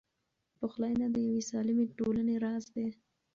پخلاینه د یوې سالمې ټولنې راز دی.